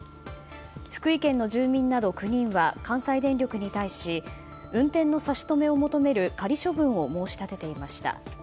福井県の住民など９人は関西電力に対し運転の差し止めを求める仮処分を申し立てていました。